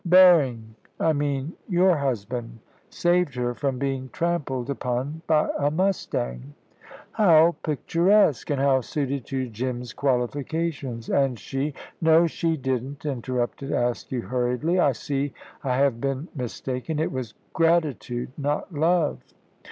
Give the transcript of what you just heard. "Berring I mean your husband saved her from being trampled upon by a mustang." "How picturesque, and how suited to Jim's qualifications! And she ?" "No, she didn't," interrupted Askew, hurriedly. "I see I have been mistaken. It was gratitude, not love."